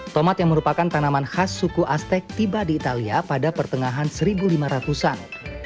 tomat yang merupakan tanaman khas suku aztek tiba di italia pada pertengahan seribu lima ratus an